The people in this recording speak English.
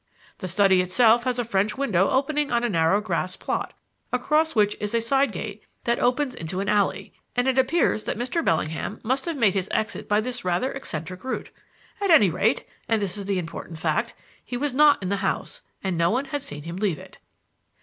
The study itself has a French window opening on a narrow grass plot, across which is a side gate that opens into an alley; and it appears that Mr. Bellingham must have made his exit by this rather eccentric route. At any rate and this is the important fact he was not in the house, and no one had seen him leave it.